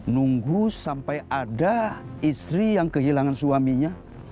nunggu sampai ada istri yang kehilangan suaminya